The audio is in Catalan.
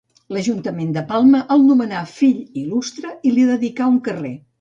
L'Ajuntament de Palma el nomenà fill il·lustre i li dedicà un carrer.